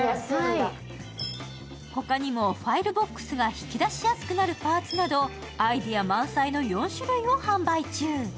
ほかにもファイルボックスが引き出しやすくなるパーツなど、アイデア満載の４種類を販売中。